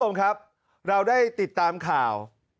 คุณผู้ชมครับเราได้ติดตามข่าว